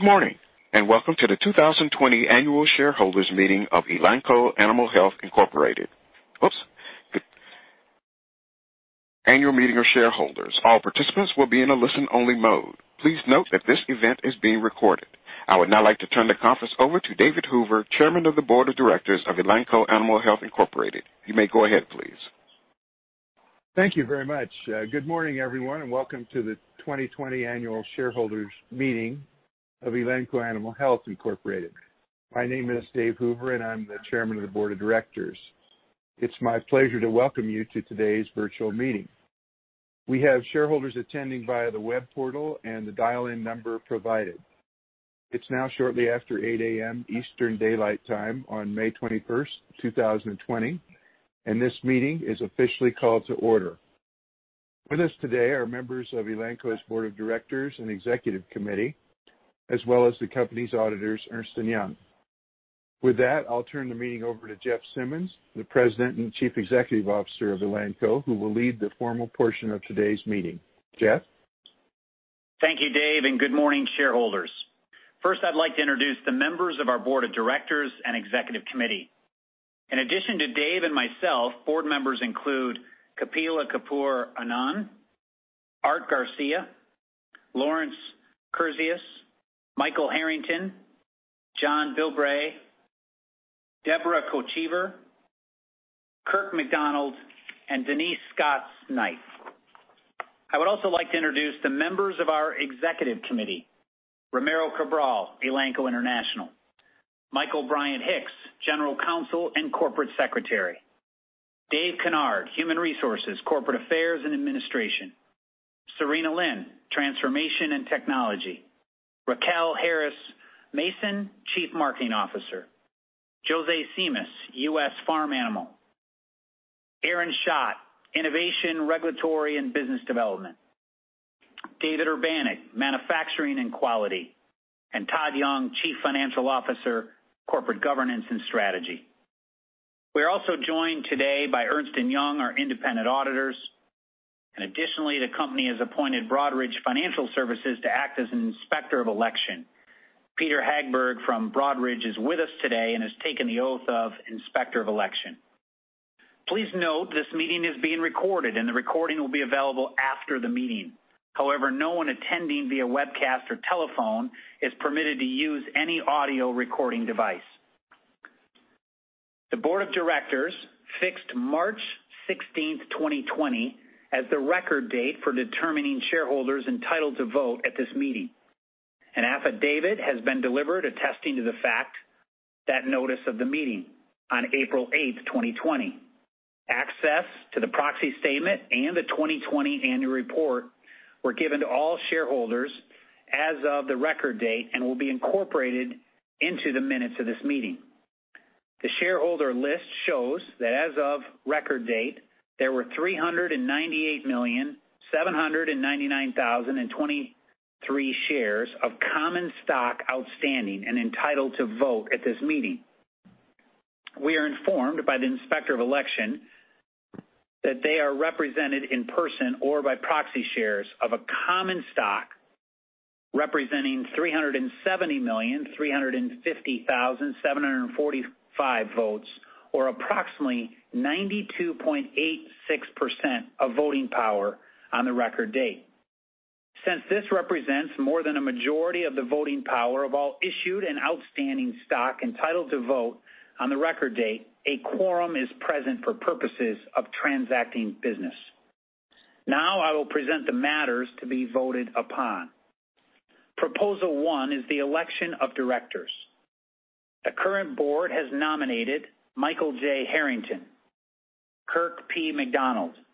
Good morning, and welcome to the 2020 Annual Shareholders Meeting of Elanco Animal Health Incorporated. Oops. Annual Meeting of Shareholders. All participants will be in a listen-only mode. Please note that this event is being recorded. I would now like to turn the conference over to David Hoover, Chairman of the Board of Directors of Elanco Animal Health Incorporated. You may go ahead, please. Thank you very much. Good morning, everyone, and welcome to the 2020 Annual Shareholders Meeting of Elanco Animal Health Incorporated. My name is Dave Hoover, and I'm the Chairman of the Board of Directors. It's my pleasure to welcome you to today's virtual meeting. We have shareholders attending via the web portal and the dial-in number provided. It's now shortly after 8:00AM Eastern Daylight Time on May 21st, 2020, and this meeting is officially called to order. With us today are members of Elanco's Board of Directors and Executive Committee, as well as the company's auditors, Ernst & Young. With that, I'll turn the meeting over to Jeff Simmons, the President and Chief Executive Officer of Elanco, who will lead the formal portion of today's meeting. Jeff? Thank you, Dave, and good morning, shareholders. First, I'd like to introduce the members of our Board of Directors and Executive Committee. In addition to Dave and myself, board members include Kapila Kapoor Anand, Art Garcia, Lawrence Kurzius, Michael Harrington, John Bilbrey, Deborah T. Kochevar, Kirk McDonald, and Denise Scots-Knight. I would also like to introduce the members of our Executive Committee: Ramiro Cabral, Elanco International, Michael-Bryant Hicks, General Counsel and Corporate Secretary, David Kinard, Human Resources, Corporate Affairs and Administration, Sarena Lin, Transformation and Technology, Racquel Harris Mason, Chief Marketing Officer, Jose Simas, U.S. Farm Animal, Aaron Schacht, Innovation, Regulatory, and Business Development, David Urbanek, Manufacturing and Quality, and Todd Young, Chief Financial Officer, Corporate Governance and Strategy. We are also joined today by Ernst & Young, our independent auditors, and additionally, the company has appointed Broadridge Financial Services to act as an Inspector of Election. Peter Hagberg from Broadridge is with us today and has taken the oath of Inspector of Election. Please note this meeting is being recorded, and the recording will be available after the meeting. However, no one attending via webcast or telephone is permitted to use any audio recording device. The Board of Directors fixed March 16th, 2020, as the record date for determining shareholders entitled to vote at this meeting. An affidavit has been delivered attesting to the fact that notice of the meeting on April 8th, 2020, access to the proxy statement and the 2020 Annual Report were given to all shareholders as of the record date and will be incorporated into the minutes of this meeting. The shareholder list shows that as of record date, there were 398,799,023 shares of common stock outstanding and entitled to vote at this meeting. We are informed by the Inspector of Election that they are represented in person or by proxy shares of a common stock representing 370,350,745 votes, or approximately 92.86% of voting power on the record date. Since this represents more than a majority of the voting power of all issued and outstanding stock entitled to vote on the record date, a quorum is present for purposes of transacting business. Now, I will present the matters to be voted upon. Proposal one is the election of directors. The current board has nominated Michael J. Harrington, Kirk P. McDonald, and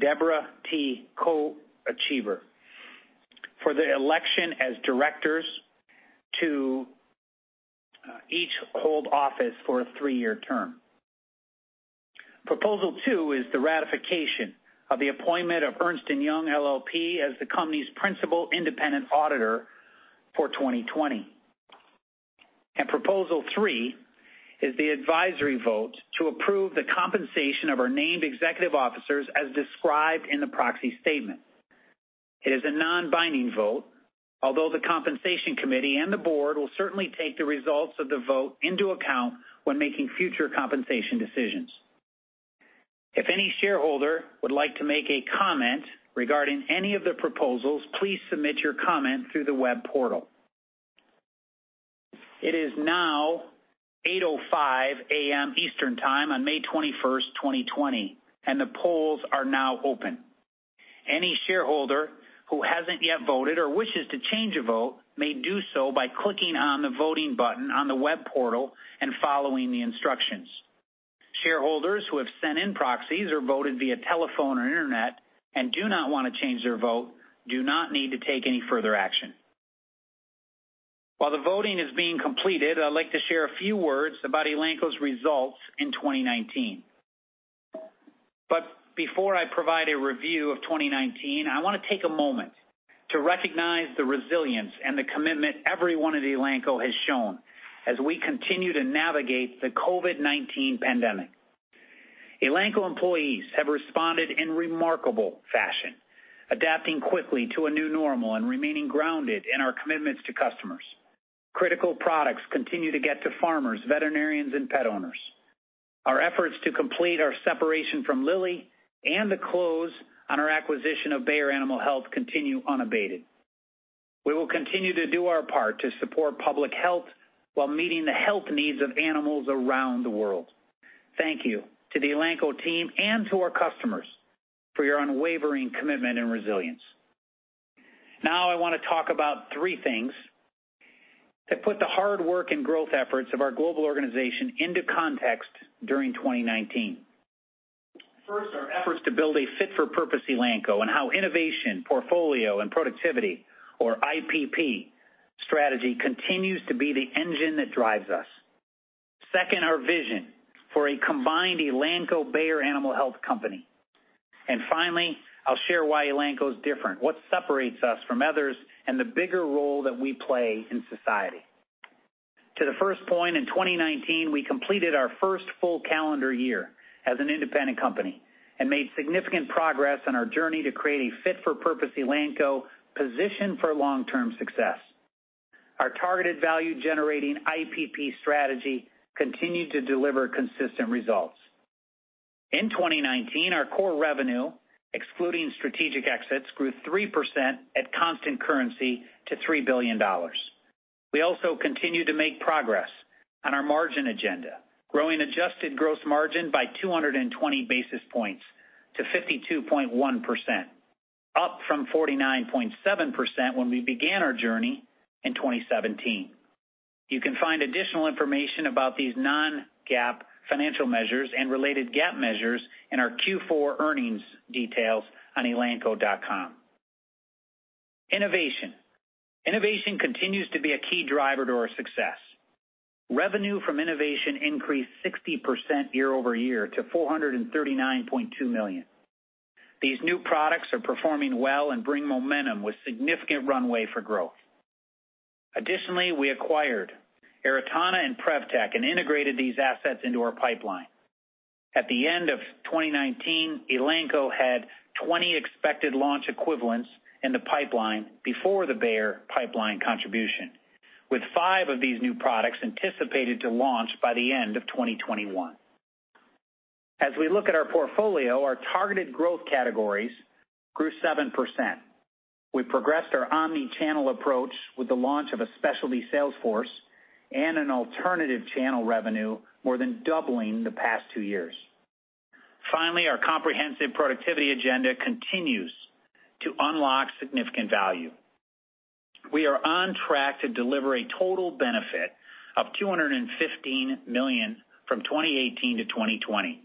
Deborah T. Kochevar for the election as directors to each hold office for a three-year term. Proposal two is the ratification of the appointment of Ernst & Young LLP as the company's principal independent auditor for 2020. Proposal three is the advisory vote to approve the compensation of our named executive officers as described in the proxy statement. It is a non-binding vote, although the Compensation Committee and the board will certainly take the results of the vote into account when making future compensation decisions. If any shareholder would like to make a comment regarding any of the proposals, please submit your comment through the web portal. It is now 8:05AM Eastern Time on May 21st, 2020, and the polls are now open. Any shareholder who hasn't yet voted or wishes to change a vote may do so by clicking on the voting button on the web portal and following the instructions. Shareholders who have sent in proxies or voted via telephone or internet and do not want to change their vote do not need to take any further action. While the voting is being completed, I'd like to share a few words about Elanco's results in 2019. But before I provide a review of 2019, I want to take a moment to recognize the resilience and the commitment everyone at Elanco has shown as we continue to navigate the COVID-19 pandemic. Elanco employees have responded in remarkable fashion, adapting quickly to a new normal and remaining grounded in our commitments to customers. Critical products continue to get to farmers, veterinarians, and pet owners. Our efforts to complete our separation from Lilly and the close on our acquisition of Bayer Animal Health continue unabated. We will continue to do our part to support public health while meeting the health needs of animals around the world. Thank you to the Elanco team and to our customers for your unwavering commitment and resilience. Now, I want to talk about three things that put the hard work and growth efforts of our global organization into context during 2019. First, our efforts to build a fit-for-purpose Elanco and how innovation, portfolio, and productivity, or IPP strategy, continues to be the engine that drives us. Second, our vision for a combined Elanco-Bayer Animal Health company. And finally, I'll share why Elanco is different, what separates us from others, and the bigger role that we play in society. To the first point, in 2019, we completed our first full calendar year as an independent company and made significant progress on our journey to create a fit-for-purpose Elanco positioned for long-term success. Our targeted value-generating IPP strategy continued to deliver consistent results. In 2019, our core revenue, excluding strategic exits, grew 3% at constant currency to $3 billion. We also continue to make progress on our margin agenda, growing adjusted gross margin by 220 basis points to 52.1%, up from 49.7% when we began our journey in 2017. You can find additional information about these non-GAAP financial measures and related GAAP measures in our Q4 earnings details on elanco.com. Innovation. Innovation continues to be a key driver to our success. Revenue from innovation increased 60% year-over-year to $439.2 million. These new products are performing well and bring momentum with significant runway for growth. Additionally, we acquired Aratana and Prevtec and integrated these assets into our pipeline. At the end of 2019, Elanco had 20 expected launch equivalents in the pipeline before the Bayer pipeline contribution, with five of these new products anticipated to launch by the end of 2021. As we look at our portfolio, our targeted growth categories grew 7%. We progressed our omnichannel approach with the launch of a specialty sales force and an alternative channel revenue, more than doubling the past two years. Finally, our comprehensive productivity agenda continues to unlock significant value. We are on track to deliver a total benefit of $215 million from 2018 to 2020,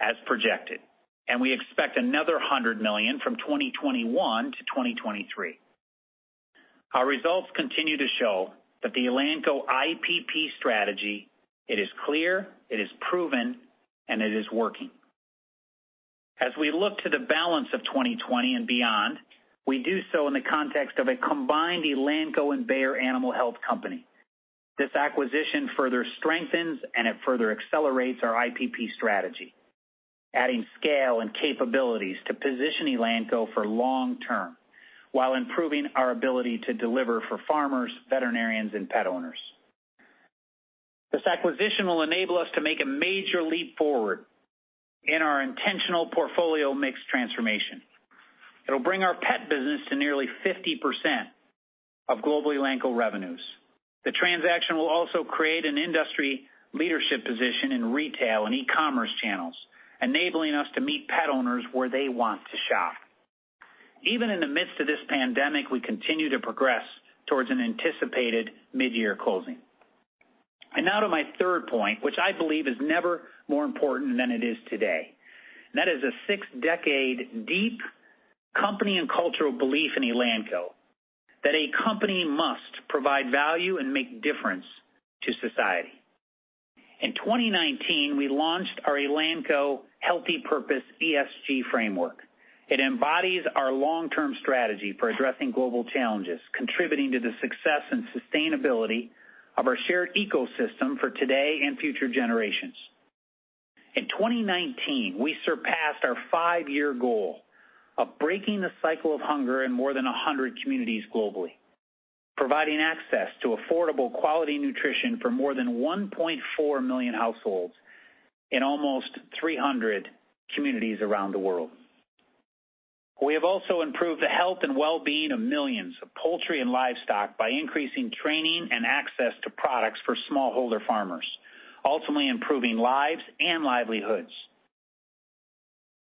as projected, and we expect another $100 million from 2021 to 2023. Our results continue to show that the Elanco IPP strategy is clear, it is proven, and it is working. As we look to the balance of 2020 and beyond, we do so in the context of a combined Elanco and Bayer Animal Health Company. This acquisition further strengthens and further accelerates our IPP strategy, adding scale and capabilities to position Elanco for long term while improving our ability to deliver for farmers, veterinarians, and pet owners. This acquisition will enable us to make a major leap forward in our intentional portfolio mix transformation. It'll bring our pet business to nearly 50% of global Elanco revenues. The transaction will also create an industry leadership position in retail and e-commerce channels, enabling us to meet pet owners where they want to shop. Even in the midst of this pandemic, we continue to progress towards an anticipated mid-year closing. And now to my third point, which I believe is never more important than it is today. That is a six-decade deep company and cultural belief in Elanco that a company must provide value and make a difference to society. In 2019, we launched our Elanco's Healthy Purpose ESG framework. It embodies our long-term strategy for addressing global challenges, contributing to the success and sustainability of our shared ecosystem for today and future generations. In 2019, we surpassed our five-year goal of breaking the cycle of hunger in more than 100 communities globally, providing access to affordable quality nutrition for more than 1.4 million households in almost 300 communities around the world. We have also improved the health and well-being of millions of poultry and livestock by increasing training and access to products for smallholder farmers, ultimately improving lives and livelihoods.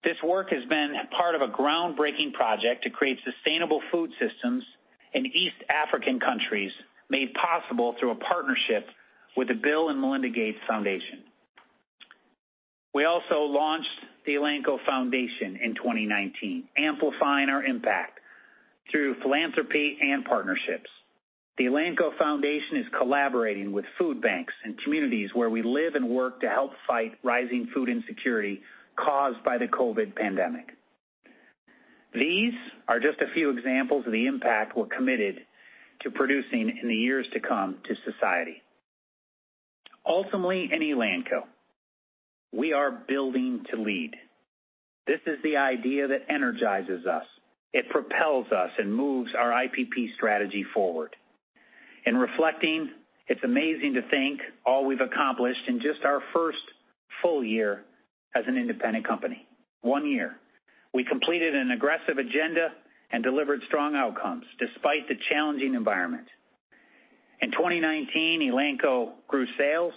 This work has been part of a groundbreaking project to create sustainable food systems in East African countries made possible through a partnership with the Bill and Melinda Gates Foundation. We also launched the Elanco Foundation in 2019, amplifying our impact through philanthropy and partnerships. The Elanco Foundation is collaborating with food banks and communities where we live and work to help fight rising food insecurity caused by the COVID pandemic. These are just a few examples of the impact we're committed to producing in the years to come to society. Ultimately, in Elanco, we are building to lead. This is the idea that energizes us. It propels us and moves our IPP strategy forward. In reflecting, it's amazing to think all we've accomplished in just our first full year as an independent company. One year, we completed an aggressive agenda and delivered strong outcomes despite the challenging environment. In 2019, Elanco grew sales.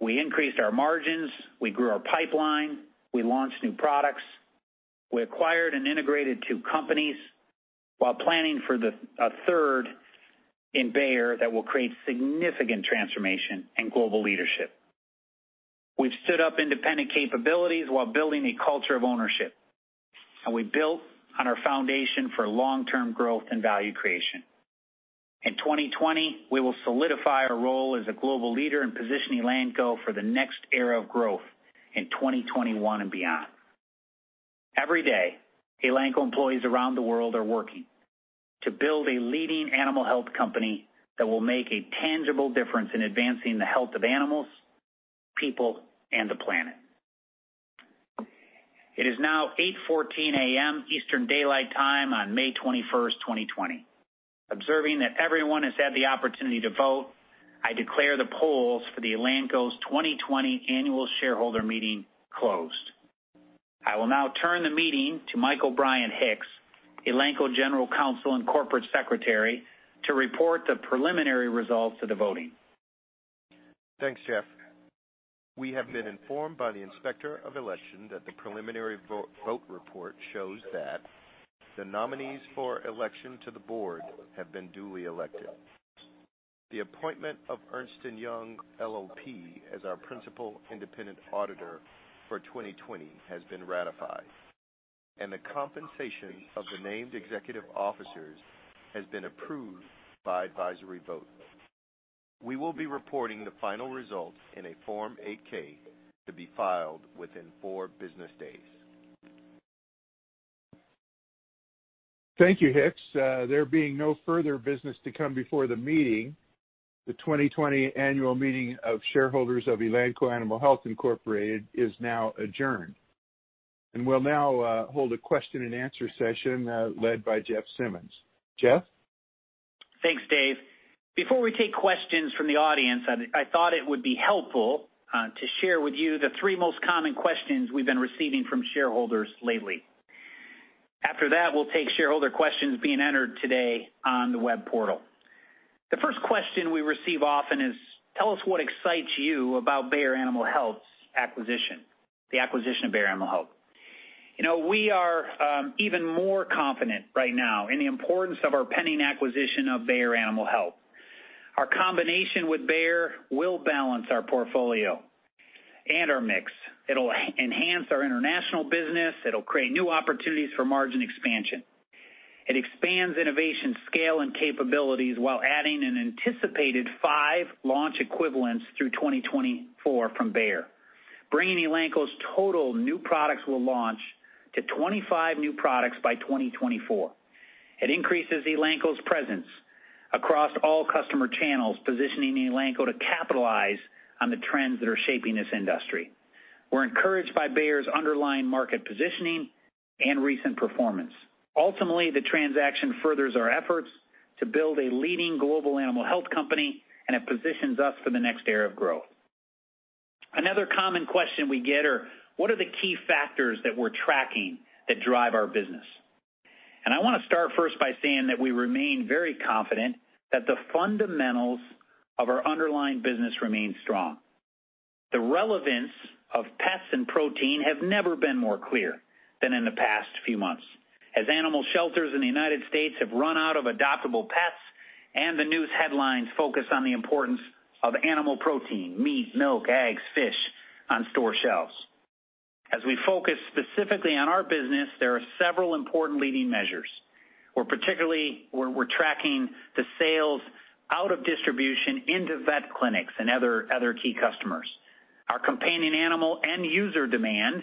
We increased our margins. We grew our pipeline. We launched new products. We acquired and integrated two companies while planning for a third in Bayer that will create significant transformation and global leadership. We've stood up independent capabilities while building a culture of ownership, and we built on our foundation for long-term growth and value creation. In 2020, we will solidify our role as a global leader in positioning Elanco for the next era of growth in 2021 and beyond. Every day, Elanco employees around the world are working to build a leading animal health company that will make a tangible difference in advancing the health of animals, people, and the planet. It is now 8:14AM Eastern Daylight Time on May 21st, 2020. Observing that everyone has had the opportunity to vote, I declare the polls for the Elanco's 2020 Annual Shareholders Meeting closed. I will now turn the meeting to Michael-Bryant Hicks, Elanco General Counsel and Corporate Secretary, to report the preliminary results of the voting. Thanks, Jeff. We have been informed by the Inspector of Election that the preliminary vote report shows that the nominees for election to the board have been duly elected. The appointment of Ernst & Young LLP as our principal independent auditor for 2020 has been ratified, and the compensation of the named executive officers has been approved by advisory vote. We will be reporting the final results in a Form 8-K to be filed within four business days. Thank you, Hicks. There being no further business to come before the meeting, the 2020 Annual Meeting of Shareholders of Elanco Animal Health Incorporated is now adjourned. And we'll now hold a question-and-answer session led by Jeff Simmons. Jeff? Thanks, Dave. Before we take questions from the audience, I thought it would be helpful to share with you the three most common questions we've been receiving from shareholders lately. After that, we'll take shareholder questions being entered today on the web portal. The first question we receive often is, "Tell us what excites you about Bayer Animal Health's acquisition, the acquisition of Bayer Animal Health." We are even more confident right now in the importance of our pending acquisition of Bayer Animal Health. Our combination with Bayer will balance our portfolio and our mix. It'll enhance our international business. It'll create new opportunities for margin expansion. It expands innovation scale and capabilities while adding an anticipated five launch equivalents through 2024 from Bayer. Bringing Elanco's total new products will launch to 25 new products by 2024. It increases Elanco's presence across all customer channels, positioning Elanco to capitalize on the trends that are shaping this industry. We're encouraged by Bayer's underlying market positioning and recent performance. Ultimately, the transaction furthers our efforts to build a leading global animal health company and it positions us for the next era of growth. Another common question we get is, "What are the key factors that we're tracking that drive our business?" And I want to start first by saying that we remain very confident that the fundamentals of our underlying business remain strong. The relevance of pets and protein has never been more clear than in the past few months, as animal shelters in the United States have run out of adoptable pets and the news headlines focus on the importance of animal protein: meat, milk, eggs, fish on store shelves. As we focus specifically on our business, there are several important leading measures. We're tracking the sales out of distribution into vet clinics and other key customers. Our companion animal and food demand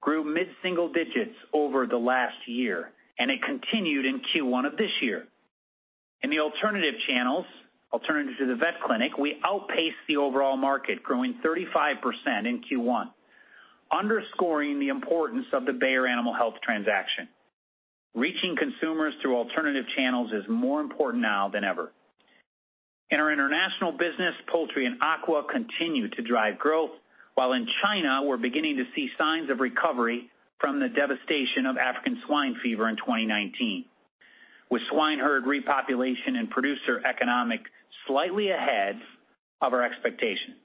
grew mid-single digits over the last year, and it continued in Q1 of this year. In the alternative channels, alternative to the vet clinic, we outpaced the overall market, growing 35% in Q1, underscoring the importance of the Bayer Animal Health transaction. Reaching consumers through alternative channels is more important now than ever. In our international business, poultry and aqua continue to drive growth, while in China, we're beginning to see signs of recovery from the devastation of African swine fever in 2019, with swine herd repopulation and producer economic slightly ahead of our expectations.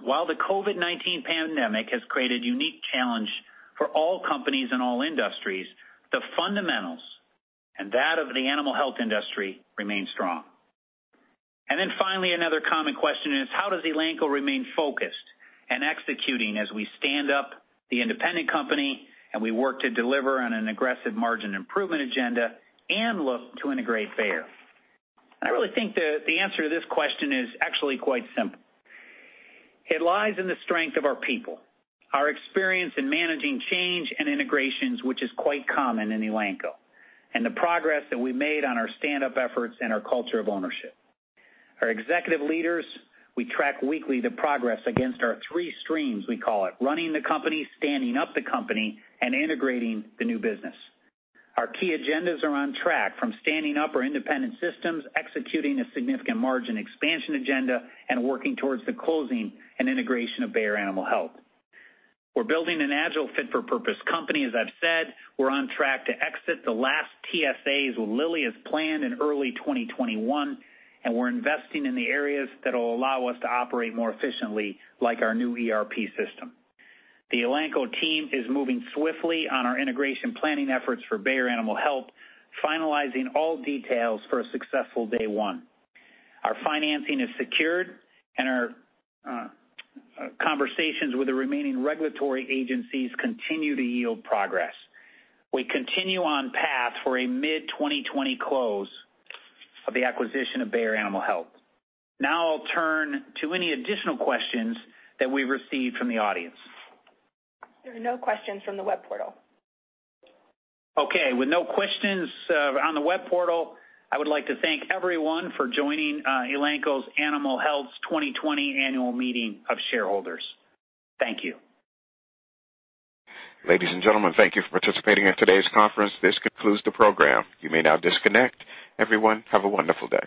While the COVID-19 pandemic has created unique challenges for all companies and all industries, the fundamentals and that of the animal health industry remain strong. And then finally, another common question is, "How does Elanco remain focused and executing as we stand up the independent company and we work to deliver on an aggressive margin improvement agenda and look to integrate Bayer?" I really think the answer to this question is actually quite simple. It lies in the strength of our people, our experience in managing change and integrations, which is quite common in Elanco, and the progress that we made on our stand-up efforts and our culture of ownership. Our executive leaders, we track weekly the progress against our three streams, we call it: running the company, standing up the company, and integrating the new business. Our key agendas are on track from standing up our independent systems, executing a significant margin expansion agenda, and working towards the closing and integration of Bayer Animal Health. We're building an agile fit-for-purpose company. As I've said, we're on track to exit the last TSAs with Lilly as planned in early 2021, and we're investing in the areas that will allow us to operate more efficiently, like our new ERP system. The Elanco team is moving swiftly on our integration planning efforts for Bayer Animal Health, finalizing all details for a successful day one. Our financing is secured, and our conversations with the remaining regulatory agencies continue to yield progress. We continue on path for a mid-2020 close of the acquisition of Bayer Animal Health. Now I'll turn to any additional questions that we've received from the audience. There are no questions from the web portal. Okay. With no questions on the web portal, I would like to thank everyone for joining Elanco Animal Health's 2020 Annual Meeting of Shareholders. Thank you. Ladies and gentlemen, thank you for participating in today's conference. This concludes the program. You may now disconnect. Everyone, have a wonderful day.